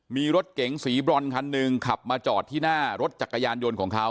มีรถเก๋งสีบรอนคันหนึ่งขับมาจอดที่หน้ารถจักรยานยนต์ของเขา